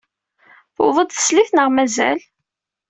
Tewweḍ-d teslit neɣ mazal?